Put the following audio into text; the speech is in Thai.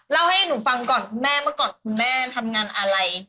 เล่าให้หนูฟังก่อนคุณแม่เมื่อก่อนคุณแม่ทำงานอะไร